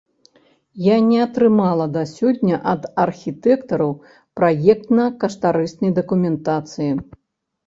Я не атрымала да сёння ад архітэктараў праектна-каштарыснай дакументацыі.